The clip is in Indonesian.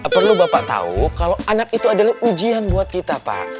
perlu bapak tahu kalau anak itu adalah ujian buat kita pak